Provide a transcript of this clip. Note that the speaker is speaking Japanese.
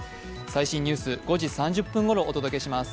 最新ニュース、５時３０分ごろお届けします。